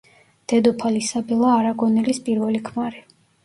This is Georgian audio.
დედოფალ ისაბელა არაგონელის პირველი ქმარი.